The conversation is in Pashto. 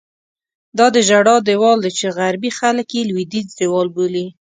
دا د ژړا دیوال دی چې غربي خلک یې لوېدیځ دیوال بولي.